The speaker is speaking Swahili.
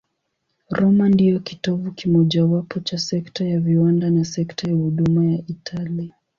Roma ndiyo kitovu kimojawapo cha sekta ya viwanda na sekta ya huduma ya Italia.